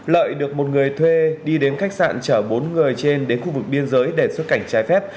lợi được một người thuê đi đến khách sạn chở bốn người trên đến khu vực biên giới để xuất cảnh trái phép